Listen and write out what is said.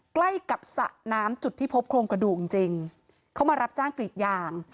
ใกล้กับสระน้ำจุดที่พบโครงกระดูกจริงจริงเขามารับจ้างกรีดยาง